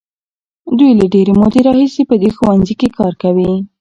دوی له ډېرې مودې راهیسې په دې ښوونځي کې کار کوي.